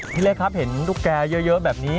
เล็กครับเห็นตุ๊กแกเยอะแบบนี้